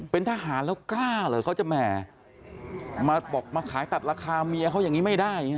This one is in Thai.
เป็นทหารแล้วกล้าเหรอเขาจะแหมมาบอกมาขายตัดราคาเมียเขาอย่างนี้ไม่ได้